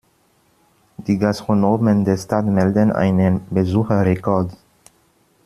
Die Gastronomen der Stadt melden einen Besucherrekord.